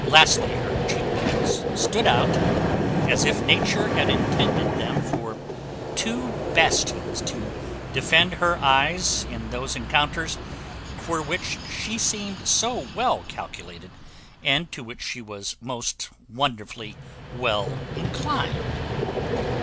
Lastly, her cheek bones stood out, as if nature had intended them for two bastions to defend her eyes in those encounters for which she seemed so well calculated, and to which she was most wonderfully well inclined.